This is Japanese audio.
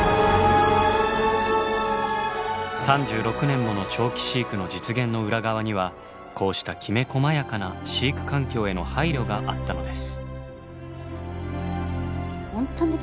３６年もの長期飼育の実現の裏側にはこうしたきめこまやかな飼育環境への配慮があったのです。